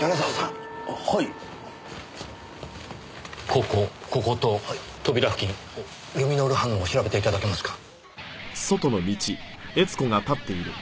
ここここと扉付近ルミノール反応を調べて頂けますか？